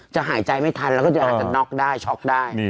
หายใจไม่ทันแล้วก็จะอาจจะน็อกได้ช็อกได้